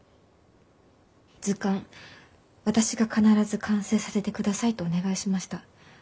図鑑私が必ず完成させてくださいとお願いしました。